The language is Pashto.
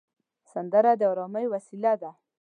سندره د ارامۍ وسیله ده